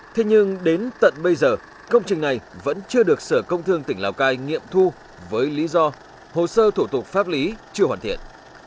thế nhưng đến tận bây giờ công trình này vẫn chưa được sở công thương tỉnh lào cai nghiệm thu với lý do hồ sơ thủ tục pháp lý chưa hoàn thiện